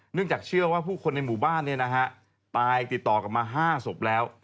เนื่องจากเชื่อว่าผู้คนในหมู่บ้านเนี่ยนะฮะตายติดต่อกันมาห้าศพแล้ว